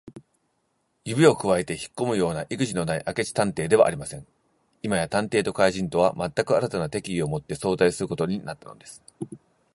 指をくわえてひっこむようないくじのない明智探偵ではありません。今や探偵と怪人とは、まったく新たな敵意をもって相対することになったのです。